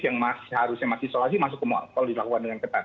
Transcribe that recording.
yang seharusnya masih isolasi masuk ke mal dilakukan dengan ketat